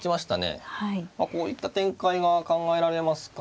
まあこういった展開が考えられますかね。